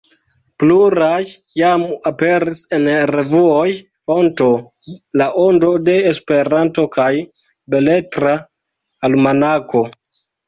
Pluraj jam aperis en la revuoj Fonto, La Ondo de Esperanto kaj Beletra Almanako.